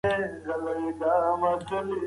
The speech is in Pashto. ښځه باید د کور دننه او بهر مسئولیت وپیژني.